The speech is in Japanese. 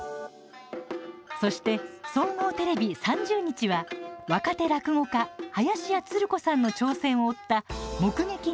そして、総合テレビ３０日は若手落語家・林家つる子さんの挑戦を追った「目撃！